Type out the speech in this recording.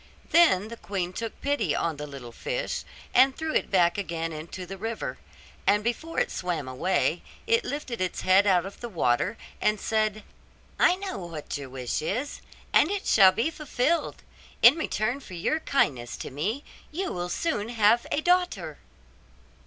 Then the queen took pity on the little fish, and threw it back again into the river; and before it swam away it lifted its head out of the water and said, 'I know what your wish is, and it shall be fulfilled, in return for your kindness to me you will soon have a daughter.